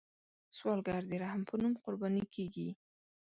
سوالګر د رحم په نوم قرباني کیږي